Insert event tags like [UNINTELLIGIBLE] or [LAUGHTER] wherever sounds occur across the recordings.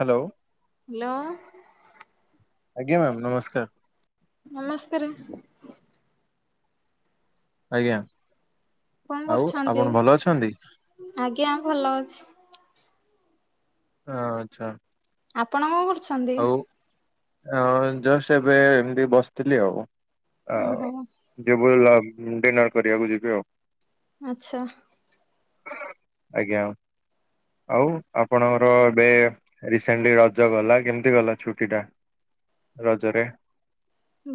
Hello. Hello. ଆଜ୍ଞା ma'am ନମସ୍କାର। ନମସ୍କାରେ। ଆଜ୍ଞା, କଣ ଆଉ କରୁଛନ୍ତି? ଆପଣ ଭଲ ଅଛନ୍ତି? ଆଜ୍ଞା ଭଲ ଅଛି। ଆଚ୍ଛା। ଆପଣ କଣ କରୁଛ ଆଉ ଜଷ୍ଟ ଏବେ ଏମିତି ବସିଥିଲି ଆଉ। ଓହୋ ଯେବି ହେଲା ଡିନର କରି ବାକୁ ଯିବି ଆଉ। ଆଚ୍ଛା। ଆଜ୍ଞା। ଆଉ ଆପଣଙ୍କର ଏବେ ରିସେଣ୍ଟଲି ରଜ ଗଲା କେମତି କେମିତି ଗଲା ଛୁଟି ଟା ରଜରେ?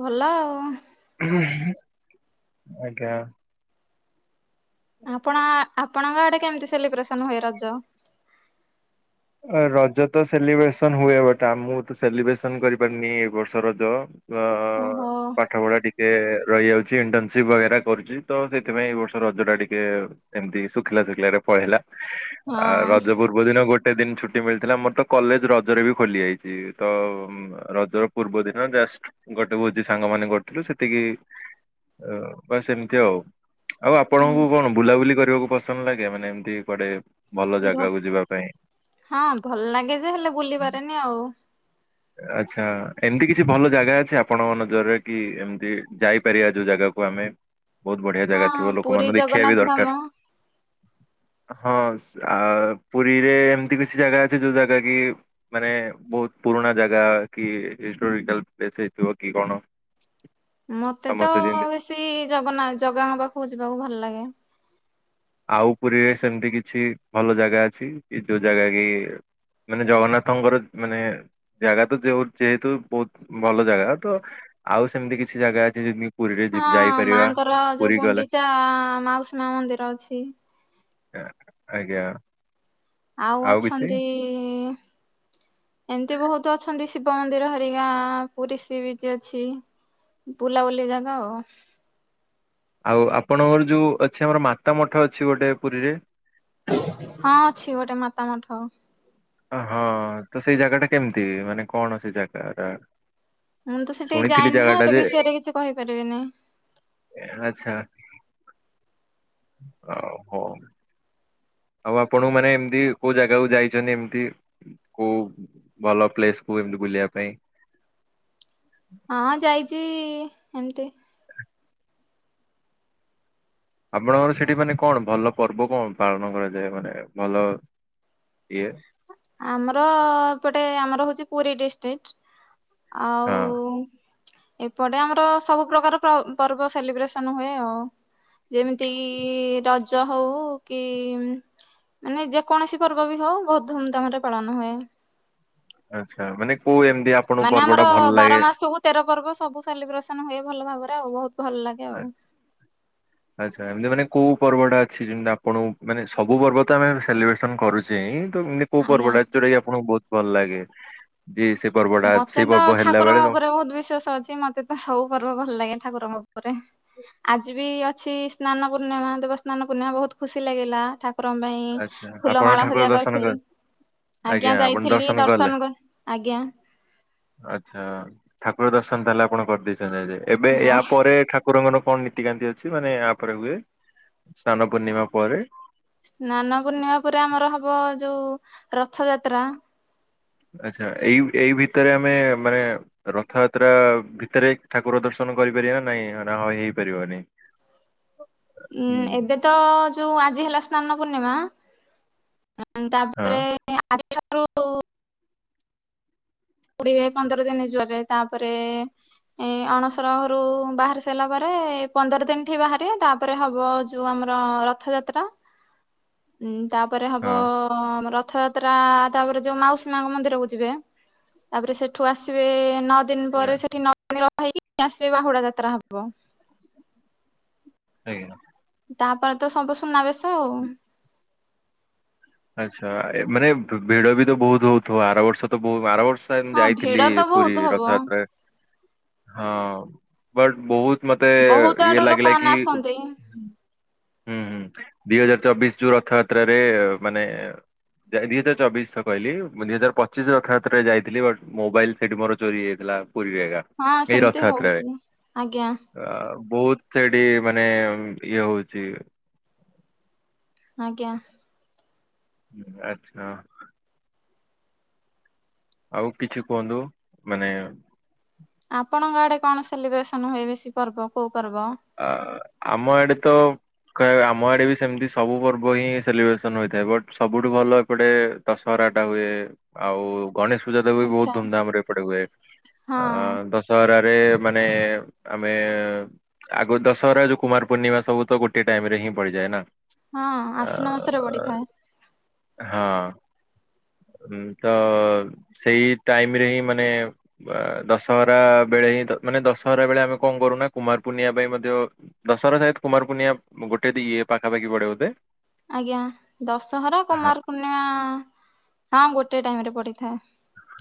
ଭଲ ଆଉ। ଆଜ୍ଞା। ଆପଣ ଆପଣଙ୍କ ଆଡେ କେମିତି ସେଲିବ୍ରେସନ ହୁଏ ରଜ? ରଜ ତ ସେଲିବ୍ରେସନ ହୁଏ ବଟ୍ ଆ ମୁଁ ତ ସେଲିବ୍ରେସନ କରିପାରିନି ଏ ବର୍ଷ ରଜ। ଅ ଓହୋ ପାଠପଢା ଡି ଟିକେ ରହିଯାଉଛି। ଇଣ୍ଟର୍ନସିପ ବଗେରା କରୁଛି, ତ ସେଥିପାଇଁ ଏଇ ବର୍ଷ ରଜ ଟା ଟିକେ ଏମିତି ଶୁଖିଲା ଶୁଖିଲାରେ ପଳେଇଲା। ହଁ। ଆଉ ରଜ ପୂର୍ବ ଦିନ ଗୋଟେ ଗୋଟେ ଦିନ ଛୁଟି ମିଳିଥିଲା। ମୋର ତ କଲେଜ ରଜରେ ବି ଖୋଲିଯାଇଛି। ତ ରଜର ପୂର୍ବ ଦିନ ଜଷ୍ଟ ଗୋଟେ ଭୋଜି ସାଙ୍ଗ ମାନେ କରିୁଥିଲୁ, ସେତିକି ଆ ବାସ୍ ସେମିତି ଆଉ। ଆଉ ଆପଣଙ୍କୁ କଣ ବୁଲାବୁଲି କରିବାକୁ ପସନ୍ଦ ଲାଗେ ମାନେ ଏମିତି କୁଆଡେ ଭଲ ଭ ଜାଗାକୁ ଯିବା ପାଇଁ? ହଁ, ଭଲ ଲାଗେ ଯେ ହେଲେ ବୁଲି ପାରେନି ଆଉ। [INAUDIBLE] ଆଚ୍ଛା ଏମତି କିଛି ଭଲ ଜାଗା ଅଛି ଆପଣଙ୍କ ନଜରରେ କି ଏମିତି ଯାଇପାରିବା ଯୋଉ ଜାଗାକୁ ଆମେ? ବହୁତ ବଢିଆ ଜାଗା ହଁ ଥିବ ପୁରୀ ଲୋକମାନଙ୍କୁ ଦେଖିବା ବି ଜଗନ୍ନାଥ ଧାମ। ଦରକାର? ହଁ ଆ ପୁରୀରେ ଏମିତି କିଛି ଜାଗା ଅଛି ଯୋଉ ଜାଗା କି ମାନେ ବହୁତ ପୁରୁଣା ଜାଗା କି ହିଷ୍ଟୋରିକାଲ ପ୍ଲେସ ହୋଇଥିବ କି କଣ? [INAUDIBLE] ମତେ ତ ସମସ୍ତେ ଯେମିତି ବେଶୀ ଜଗନ୍ନା ଜଗାଙ୍କ ପାଖକୁ ଯିବାକୁ ଭଲ ଲାଗେ। ଆଉ ପୁରୀରେ ସେମିତି କିଛି ଭଲ ଜାଗା ଅଛି, କି ଯୋଉ ଜାଗା କି ମାନେ ଜଗନ୍ନାଥଙ୍କର ମାନେ ଜାଗା ତ ଯୋଉ ଯେହେତୁ ବୋହୁତ ଭଲ ଜାଗା ତ ଆଉ ସେମିତି କିଛି ଜାଗା ଅଛି ଯେମ୍ତି ହଁ-ଅ ମାଙ୍କର ଯୋଉ ଗୁଣ୍ଡିଚା-ଆ ମାଉସୀ ମା ମନ୍ଦିର ଅଛି। ଏ ଆଜ୍ଞା। ଆଉ ଅଛନ୍ତି-ଇ ଏମ୍ତି ବହୁତ ଅଛନ୍ତି ଶିବ ମନ୍ଦିର ହରିଗାଁ-ଆ ପୁରୀ ସି ବିଚ୍ ଅଛି। ବୁଲାବୁଲି ଜାଗା ଆଉ। ଆଉ ଆପଣଙ୍କର ଯୋଉ ଅଛି ଆମର ମାତା ମଠ ଅଛି ଗୋଟେ ପୁରୀରେ। ହଁ ଅଛି ଗୋଟେ ମାତା ମଠ। ଆ ହଁ ତ ସେଇ ଜାଗା ଟା କେମିତି ମାନେ କଣ ସେ ଜାଗା ଟା? ମୁଁ ତ ସେଠିକି ଶୁଣିଥିଲି ଯାଇନି ଜାଗା ନା ଟା ସେ ଯେ ବିଷୟରେ କିଛି କହିପାରିବିନି। ଆଚ୍ଛା ଆଉ ହୋଉ। ଆଉ ଆପଣଙ୍କୁ ମାନେ ଏମିତି କୋଉ ଜାଗାକୁ ଯାଇଛନ୍ତି ଏମିତି କୋଉ ଭଲ ପ୍ଲେସକୁ ଏମିତି ବୁଲିବା ପାଇଁ? ହଁ ଯାଇଚି-ଇ ଏମ୍ତି। ଆପଣଙ୍କର ସେଠି ମାନେ କଣ ଭଲ ପର୍ବ କଣ ପାଳନ କରାଯାଏ ମାନେ ଭଲ ଇଏ? ଆମର-ଅ ଏପଟେ ଆମର ହୋଉଚି ପୁରୀ ଡିଷ୍ଟିକ୍ଟ, ଆଉ ହଁ ଏପଟେ ଆମର ସବୁ ପ୍ରକାର ପ୍ର ପର୍ବ ସେଲିବ୍ରେସନ ହୁଏ ଆଉ। ଯେମିତିକି-ଇ ରଜ ହୋଉ କି-ଇ-ମ୍ ମାନେ ଯେକୌଣସି ପର୍ବ ବି ହୋଉ ବୋହୁତ ଧୁମଧାମରେ ପାଳନ ହୁଏ। ଆଚ୍ଛା ମାନେ କୋଉ ଏନ୍ଦିଆ? ମାନେ ଆମର-ଅ ବାର ମାସକୁ ତେର ପର୍ବ ସବୁ ସାଲିବ୍ରେସନ ହୁଏ ଭଲ ଭାବରେ ଆଉ ବୋହୁତ ଭଲ ଲାଗେ ଆଉ। [INAUDIBLE] ଆଚ୍ଛା ଏମିତି ମାନେ କୋଉ ପର୍ବଟା ଅଛି ଯେମିତି ଆପଣଙ୍କୁ ମାନେ ସବୁ ପର୍ବ ତ ଆମେ ସେଲିବ୍ରେସନ କରୁଚେ ଚେଇଁ ତ ମନେ କୋଉ ଆଜ୍ଞା। ପର୍ବଟା ଯୋଟାକି ଆପଣଙ୍କୁ ବୋହୁତ ଭଲ ଲାଗେ? ଇଏ ସେ ପର୍ବ ମତେ ସେଇ ତ ହେଲା ବେଳେ ଠାକୁରଙ୍କ ତ- ଉପରେ ବୋହୁତ ବିଶ୍ଵାସ ଅଛି ମତେ ତେ ସବୁ ପର୍ବ ଭଲ ଲାଗେ ଠାକୁରଙ୍କ ଉପରେ, ଆଜି ବି ଅଛି ସ୍ନାନ ପୂର୍ଣିମା ଦେବ ସ୍ନାନ ପୂର୍ଣ୍ଣିମା ବୋହୁତ ଖୁସି ଲାଗିଲା ଠା ରମ୍ବାଇଁ ଆଚ୍ଛା ଫୁଲ ଆପଣ ମାଳ ଠାକୁର ହରିଆ ଦର୍ଶନ କଲେ କରିଥିଲି। ଆଜ୍ଞା ଯାଇଥିଲି ଦର୍ଶନ କ ଆଜ୍ଞା। ଆଚ୍ଛା ଠାକୁର ଦର୍ଶନ ତାହେଲେ ଆପଣ କରିଦେଇଛନ୍ତି ଆଜି, ଏବେ ୟା ପରେ ଠାକ୍ କୁରଙ୍କର କଣ ନୀତିକାନ୍ତି ଅଛି ମାନେ ଆପରେ ହୁଏ ସ୍ନାନ ପୂର୍ଣ୍ଣିମା ପରେ? ସ୍ନାନ ପୂର୍ଣ୍ଣିମା ପରେ ଆମର ହବ ଯୋଉ ରଥ ଯାତ୍ରା। ଆଚ୍ଛା ଏଇ ଏଇ ଭିତରେ ଆମେ ମାନେ ରଥଯାତ୍ରା ଭିତରେ ଠାକୁର ଦର୍ଶନ କରିପାରିବା ନା ନାଇଁ ହଁ ହେଇପାରିବନି। ଉଁ ହୁଁ, ଏବେ ତ-ଅ ଯୋଉ ଆଜି ହେଲା ସ୍ନାନ ପୂର୍ଣ୍ଣିମା ଉଁ ହଁ ତାପରେ ଆଜିଠାରୁ-ଉ ହ [INAUDIBLE] ପୁଡିବେ ପନ୍ଦର ଦିନ ଜ୍ୱରରେ ତାପରେ-ଏ ଏ ଅଣସର ଘରୁ ବାହାରି ସାଇଲା ପରେ ପନ୍ଦର ଦିନ ଠି ବାହାରିବେ ତା ପରେ ହବ ଯୋଉ ଆମର ରଥଯାତ୍ରା ଉଁ ତାପରେ ହଁ। ହବ-ଅ ବ ରଥଯାତ୍ରା ତାପରେ ଯୋଉ ମାଉସୀ ମାଙ୍କ ମନ୍ଦିରକୁ ଯିବେ ତାପରେ ସେଠୁ ଆସିବେ-ଏ ନଅ ଦିନ ପରେ ସେଠି [UNINTELLIGIBLE] ହେଇକି ଆସିବେ ବାହୁଡା ଯାତ୍ରା ହବ। ନାଗିଗଲା। ତାପରେ ତ ସବୁ ଶୁନା ବେଶ ଆଉ। ଆଚ୍ଛା ଏ ମାନେ ଭିଡ଼ ବି ତ ବହୁତ ହଉଥିବ ଆର ବର୍ଷ ତ ବହୁ ଆର ବର୍ଷ ହଁ ଭିଡ ଯାଇଥିଲି ତ ପୁରୀ ବହୁତ ହବ। ରଥଯାତ୍ରାରେ ହଁ ବଟ ବହୁତ ମତେ ବହୁତ ଆଡୁ ଇଏ ଲାଗିଲା ଲୋକମାନେ କି ଆସନ୍ତି ହୁଁ ହୁଁ ଦିଇ ହଜାର ଚବିଶ ଯୋଉ ରଥଯାତ୍ରାରେ ମାନେ ଯ ଦୁଇ ହଜାର ଚବିଶ କହିଲ ମୁଁ ଦୁଇ ହଜାର ପଚିଶ ରଥଯାତ୍ରାରେ ଯାଇଥିଲି ବଟ ମୋବାଇଲ ସେଠି ମୋର ଚୋରି ହେଇାଇଥିଲା। ପୁରିବଖା [INAUDIBLE] ହଁ ସେମିତି ହଉଛି ଆଜ୍ଞା। ଅ ବହୁତ ସେଠି ମାନେ ଇଏ ହଉଛି। ଆଜ୍ଞା। ଆଚ୍ଛା। ଆଉ କିଛି କୁହନ୍ତୁ ମାନେ। ଆପଣଙ୍କ ଆଡେ କଣ ସେଲିବ୍ରେସନ ହୁଏ। ବେଶୀ ପର୍ବ କୋଉ ପର୍ବ?। ଆ। ଆମ ଆଡେ ତ। ଆମ ଆଡେ ବି ସେମିତି ସବୁ ପର୍ବ ହିଁ ସେଲିବ୍ରେସନ ହୋଇଥାଏ। ବଟ୍ ସବୁଠୁ ଭଲ ଏପଟେ ଦଶହରା ଟା ହୁଏ। ଆଉ ଗଣେଶ ପୂଜା ଦେବ ବି ବହୁତ ଆଚ୍ଛା। ଧୁମ୍ ଧାମ ରେ ଏପଟେ ହୁଏ। ହଁ ଅ ଦଶ [UNINTELLIGIBLE] ଆଗୁରୁ ଦଶହରା, ଯୋଉ କୁମାର ପୂର୍ଣ୍ଣିମା ସବୁ ତ ଗୋଟିଏ ଟାଇମ୍ ରେ ହିଁ ପଡିଯାଏ ନା। ହଁ ଆ ଆଶ୍ଵିନ ମାସରେ ପଡିଥାଏ। ହଁ। ତ। ସେଇ ଟାଇମ୍ ରେ ହିଁ ମାନେ। ଦଶହରା ବେଳେ ହିଁ ମାନେ ଦଶହରା ବେଳେ ଆମେ କଣ କରୁନା କୁମାର। ପୁନିଆ ପାଇଁ ମଧ୍ୟ ଦଶହରା, କୁମାର ପୂର୍ଣ୍ଣିମା ଗୋଟେ ଇଏ ପାଖାପାଖି ପଡେ ବୋଧେ। ଆଜ୍ଞା। ଦଶହରା, ହଁ କୁମାରପୂର୍ଣ୍ଣିମା ହଁ ଗୋଟେ ଟାଇମ୍ ରେ ପଡିଥାଏ।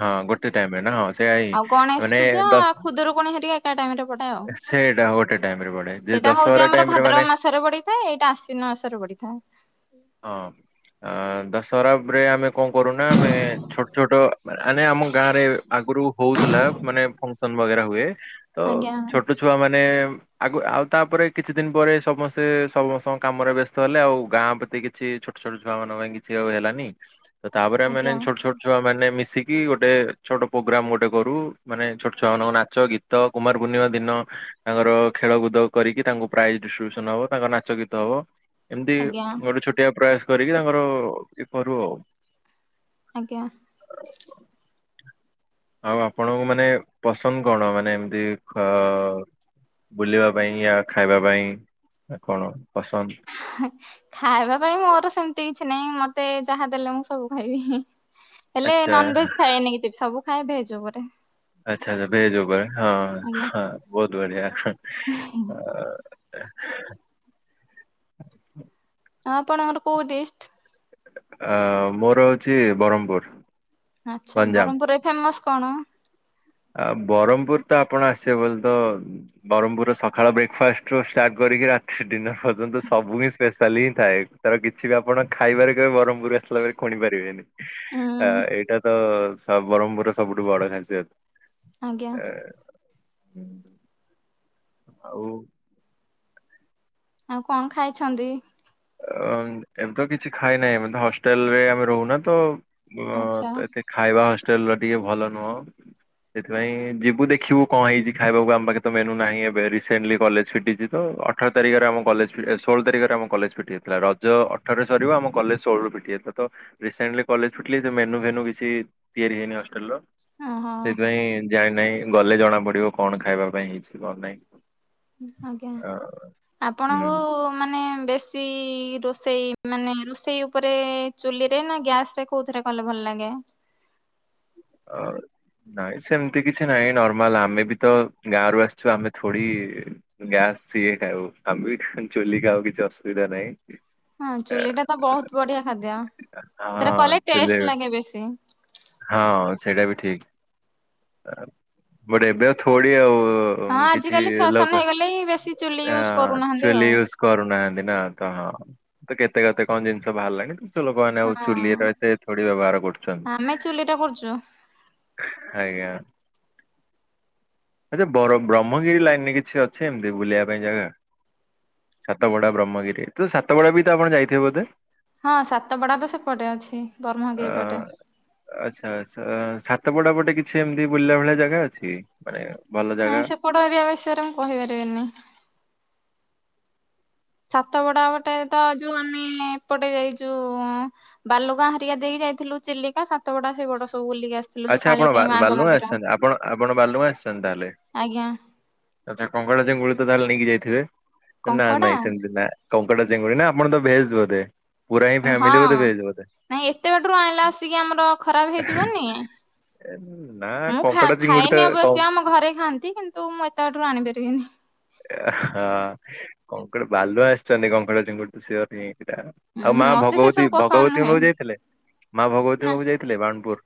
ହଁ। ଗୋଟେ ଟାଇମ୍ ରେ ନା ହଉ ଆଉ ଗଣେଶପୂଜା, ଖୁଦୁରୁକୁଣୀ ହେରିକା। ଟାଇମ୍ ରେ ପଡ଼େ ଆଉ। ସେଇଟା ଗୋଟେ ଟାଇମ ରେ ପଡେ ଯେ ସେଇଟା ଦଶହରା ହଉଛି ଆମର ଟାଇମ ରେ ମାନେ ଭାଦ୍ରବ ମାଛରେ ପଡି। ଏଇଟା ଆଶ୍ୱିନ ମାସରେ ପଡିିଥାଏ। ହଁ। ଦଶହରା ପରେ ଆମେ କଣ କରୁନା ଆମେ ଛୋଟ ଛୋଟ ଆନେ ଆମ ଗାଁ ରେ ଆଗୁରୁ ହଉଥିଲା ମାନେ ବଗେରା ହୁଏ। ତ ଆଜ୍ଞା। ଛୋଟ ଛୁଆ ମାନେ ଆଗୁ ଆଉ ତାପରେ କିଛି ଦିନ ପରେ ସମସ୍ତେ ସମସ୍ତଙ୍କ କାମରେ ବ୍ୟସ୍ତ ହେଲେ। ଆଉ ଗାଁ ପ୍ରତି- କିଛି ଛୋଟ ଛୋଟ ଛୁଆମାନ ଙ୍କ ପାଇଁ କିଛି ଆଉ ହେଲାନି। ତାପରେ ଆମେ ମାନେ ଆଜ୍ଞା ଛୋଟ ଛୋଟ ଛୁଆ ମାନେ ମିଶିକି ଗୋଟେ ଛୋଟ ପ୍ରୋଗ୍ରାମ ଗୋଟେ କରୁ। ମାନେ ଛୋଟ ଛୁଆ ମାନଙ୍କୁ ନାଚ ଗୀତ ତ କୁମାରପୂର୍ଣ୍ଣିମା ଦିନ ତାଙ୍କର ଖେଳକୁଦ କରିକି ତାଙ୍କୁ ପ୍ରାଇଜ୍ ଡିଷ୍ଟ୍ରିବ୍ୟୁସନ ହବ। ତାଙ୍କ ନାଚ, ଗୀତ ହବ। ଏମିତି ଆଜ୍ଞା ଗୋଟେ ଛୋଟିଆ ପ୍ରୟାସ କରିକି ତାଙ୍କର ଇଏ କରୁ ଆଉ ଆଜ୍ଞା। ଆଉ ଆପଣଙ୍କୁ ମାନେ ପସନ୍ଦ କଣ? ମାନେ ଏମିତି ବୁଲିବା ପାଇଁ ଖାଇବା ପାଇଁ। ହ।। ଖାଇବା ପାଇଁ ମୋର ସେମିତି କିଛି ନାହିଁ। ମତେ ଯାହା ଦେଲେ ମୁଁ ସବୁ ଖାଇବି। ହେଲେ ଆଚ୍ଛା ନନ୍ ଭେଜ୍ ଖାଏନି। ସବୁ ଖାଏ ଭେଜ୍ ଉପରେ। ଆଚ୍ଛା ଆଛା। ଭେଜ୍ ଉପରେ ହଁ, ଆଜ୍ଞା। ହଁ ବହୁତ ବଢିଆ। ହ। ହଁ। ଆପଣ ଙ୍କର କୋଉ ଡିଷ୍ଟ୍। ଆ ମୋର ହୋଉଚି ବ୍ରହ୍ମପୁର। ଆଚ୍ଛା। ଗଞ୍ଜାମ। ବ୍ରହ୍ମପୁରରେ ଫେମସ୍ କଣ? ଆ ବ୍ରହ୍ମପୁର ତ ଆପଣ ଆସିବେ ବୋଲି ତ ବ୍ରହ୍ମପୁର ର ସକାଳ ବ୍ରେକଫାଷ୍ଟରୁ ଷ୍ଟାର୍ଟ କରିକି ରାତିରେ ଡିନର ପର୍ଯ୍ୟନ୍ତ ସବୁ ହିଁ ସ୍ପେସ ଚାଲି ହିଁ ଥାଏ ତାର କିଛି ବି ଆପଣ ଖାଇବାରେ କେବେ ବ୍ରହ୍ମପୁର ଆସିଲା ପରେ ଖୁଣି ପାରିବେନି। ଆ ଉଁ ଏଇଟା ତ ସବ୍ ବ୍ରହ୍ମପୁରରେ ସବୁଠୁ ବଡ ହାସିୟତ। ଆଜ୍ଞା। ଆଉ ଆଉ କଣ ଖାଇଛନ୍ତି? ଅ ଏବେ ତ କିଛି ଖାଇ ନାହିଁ। ମୁଁ ତ ହଷ୍ଟେଲରେ ଆମେ ରହୁନା ତ ଆଚ୍ଛା ଏ [UNINTELLIGIBLE] ଖାଇବା ହଷ୍ଟେଲ୍ ର ଟିକେ ଭଲ ନୁହଁ। ସେଥିପାଇଁ ଯିବୁ ଦେଖିବୁ କଣ ହେଇଚି ଖାଇବାକୁ ଆମ ପାଖେ ତ ମେନୁ ନାହିଁ ଏବେ ରେସେଣ୍ଟଲି କଲେଜ୍ ଫିଟିଚି। ତ ଅଠର ତାରିଖରେ ଆମ କଲେଜ୍ ଫିଟେ ଷୋଳ ତାରିଖରେ ଆମ କଲେଜ୍ ଫି ଟି ଥିଲା ରଜ ଅଠରରେ ସରିବ ଆମ କଲେଜ ଷୋଳରୁ ପିଟି ଯାଇଥିଲା ତ ରସେଣ୍ଟଲି କଲେଜ ଫିଟିଲ ମେନୁ ଫେନୁ କିଛି ତିଆରି ହେଇନି ହଷ୍ଟେଲର। ଓହୋ ସେଇଥିପାଇଁ ଜାଣିନାହିଁ ଗଲେ ଜଣା ପଡିବ କଣ ଖାଇବା ପାଇଁ ହେଇଚି କଣ ନାହିଁ। ଆଜ୍ଞା ଅ ହୁଁ। ଆପଣଙ୍କୁ ମାନେ ବେ ଶୀ ରୋଷେଇ ମାନେ ରୋଷେଇ ଉପରେ ଚୁଲିରେ ନା ଗ୍ୟାସରେ କୋଉଥିରେ କଲେ ଭଲ ଲାଗେ? ଆଉ ନାଇଁ ସେମିତି କିଛି ନାହିଁ ନର୍ମାଲ ଆମେ ବି ତ ଗାଁରୁ ଆସିଚୁ ଆମେ ଥୋଡି ଗ୍ୟାସ ସିଏ ଖାଉ ଆମେ ବି ଚୁଲି ଖାଉ କିଛି ଅସୁବିଧା ନାହିଁ। ହଁ ଚୁଲିଟା ତ ବୋହୁତ ବଢିଆ ଖାଦ୍ୟ ଆ, ସେଥେରେ ହଁ କଲେ ଚୁଲି ଟେଷ୍ଟ ଲାଗେ ବେଶୀ। ହଁ ସେଇଟା ବି ଠିକ୍ ଆ ବଟ୍ ଏବେ ଥୋଡି ଆଉ ଉଁ ହଁ କିଛି ଆଜିକାଲି ଫ୍ୟାସନ ଲୋକ୍ ହେଇଗଲେ ବେଶୀ ଚୁଲି ଏ‍ଁ ୟୁଜ କରୁନାହାନ୍ତି ଚୁଲି ଆଉ। ୟୁଜ କରୁନାହାନ୍ତି ନା ତଣ ତ କେତେ କେତେ କଣ ଜିନିଷ ବାହାରିଲାଣି ତ ଲୋକମାନେ ଆଉ ହଁ ଚୁଲିର ଏତେ ଥୋଡି ବ୍ୟବହାର କରୁଚନ୍ତି। ଆମେ ଚୁଲିରେ କରୁଚୁ। ଆଜ୍ଞା। ଆଚ୍ଛା ବରମ ବ୍ରହ୍ମଗିରି ଲାଇନ୍ ରେ କିଛି ଅଛି ଏମିତି ବୁଲିବା ପାଇଁ ଜାଗା। ସାତବଡା ବ୍ରହ୍ମଗିରି ତ ସାତ ବଡା ବି ତ ଆପଣ ଯାଇଥିବେ ବୋଧେ। ହଁ ସାତପଡା ତ ସେପଟେ ଅଛି ଅ ବ୍ରହ୍ମଗିରି ପଟେ। ଆଚ୍ଛା ଆଛା ସାତପଡା ପଟେ କିଛି ଏମିତି ବୁଲିଲା ଭଳିଆ ଜାଗା ଅଛି ମାନେ ଭଲ ନାଇଁ ଜାଗା। ସେପଟ ଏରିଆ ବିଷୟରେ ମୁଁ କହିପାରିବିନି। ସାତପଡା ପଟେ ତ ଯୋଉ ଆମେ ଏପଟେ ଯାଇଚୁ ଉଁ ବାଲୁଗାଁ ହେରିକା ଦେଇକି ଯାଇଥିଲୁ ଚିଲିକା ସାତପଡା ସେପଟ ସବୁ ବୁଲିକି ଆ ଆଚ୍ଛା ଆପଣ ବା-ବାଲୁଗାଁ ଆସିଚନ୍ତି ଆପଣ ଆପଣ ବାଲୁଗାଁ ଆସିଚନ୍ତି ତାହେଲେ। ଆଜ୍ଞା ଆଚ୍ଛା କଙ୍କଡା, ଚିଙ୍ଗୁଡି ତ ତାହେଲେ ନେଇକି ଯାଇଥିବେ। ନାଁ କଙ୍କଡା ନାଇଁ ସେମତି ନାଁ କଙ୍କଡା, ଚିଙ୍ଗୁଡି ନା ଆପଣ ତ ଭେଜ୍ ବୋଧେ? ପୁରା ହିଁ ହଁ ଫ୍ୟାମିଲି ବୋଧେ ଭେଜ ବୋଧେ। ନାଇଁ ଏତେ ବାଟରୁ ଆଣିଲା ଆସିକି ଆମର ଖରାପ ହେଇଯିବନି। ନା ମୁଁ କଙ୍କଡା ଚିଙ୍ଗୁଡି ତ ଖାଏନି କଁ ଅବଶ୍ୟ ଆମ ଘରେ ଖାଆନ୍ତି କି ତୁ ମୁଁ ଏତେ ବାଟରୁ ଆଣିପାରିବିନି। ଏ ହଁ କଙ୍କଡା ବାଲୁଆ ଆସିଚନ୍ତି କଙ୍କଡା, ଚିଙ୍ଗୁଡି ତ ସିଓର [UNINTELLIGIBLE] ଏଟା। ଆଉ ହୁଁ ମା ମତେ ସେ ସବୁ ଭଗବତୀ ପସନ୍ଦ ଭଗବତୀଙ୍କ ନୁହେଁ ପାଖକୁ ଯାଇଥିଲେ ମା ନା ଭଗବତୀଙ୍କ ପାଖକୁ ଯାଇଥିଲେ ବାଣପୁର?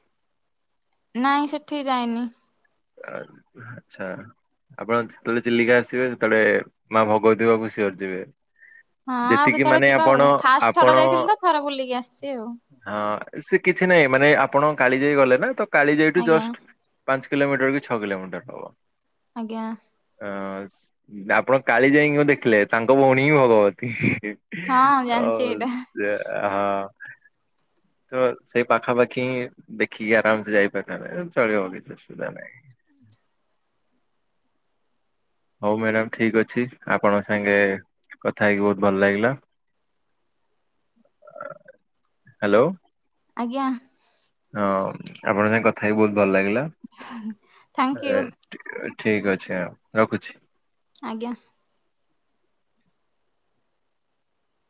ନାଇଁ ସେଠି ଯାଇନି। ଆ ଚ୍ଛା ଆପଣ ସେତେବେଳେ ଚିଲିକା ଆ ଆସିବେ ଯେତେବେଳେ ମା ଭଗବତୀ ପାଖକୁ ସିଅର ଯିବେ। ହଁ ଆଉ ଯେତିକି କେତେବେଳେ ମାନେ ଯିବା ଆପଣ ଆଉ ଫାଷ୍ଟ ଆପଣ ଥର ଯାଇଥିଲି ତ ଥରେ ବୁଲିକି ଆସିଛି ଆଉ। ହଁ ସେ କିଛି ନାହିଁ ମାନେ ଆପଣ କାଳି ଯାଇ ଗଲେ ନା ତ କାଳି ଯାଇଠୁ ଆଜ୍ଞା ଜଷ୍ଟ ପାଞ୍ଚ କିଲୋମିଟର କି ଛଅ କିଲୋମିଟର ହବ। ଆଜ୍ଞା। ଅ ଆପଣ କାଳି ଯାଇଙ୍କୁ ଦେଖିଲେ ତାଙ୍କ ଭଉଣୀ ହିଁ ଭଗବତୀ। ହଁ ତ ଜାଣିଛି ଏଇଟା ଦେ ହଁ। ତ ସେଇ ପାଖାପାଖି ହିଁ ଦେଖିକି ଆରାମ ସେ ଯାଇପାରିଥାନ୍ତେ ଚଳିବ। [UNINTELLIGIBLE] ଅସୁବିଧା ନାଇଁ। ହଉ ମ୍ୟାଡ଼ାାମ ଠିକ୍ ଅଛି ଆପଣଙ୍କ ସାଙ୍ଗେ କଥା ହେଇକି ବହୁତ ଭଲ ଲାଗିଲା। ହ୍ୟାଲୋ। ଆଜ୍ଞା। ହଁ ଆପଣଙ୍କ ସାଙ୍ଗେ କଥା ହେଇକି ବହୁତ ଭଲ ଲାଗିଲା। Thank you. ଠିକ ଅଛି ଆଉ ରଖୁଛି। ଆଜ୍ଞା।